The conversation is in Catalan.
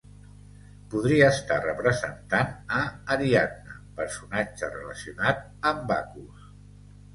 Podria estar representant a Ariadna, personatge relacionat amb Bacus.